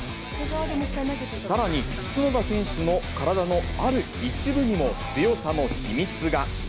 さらに、角田選手の体のある一部にも強さの秘密が。